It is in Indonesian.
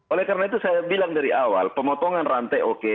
oleh karena itu saya bilang dari awal pemotongan rantai oke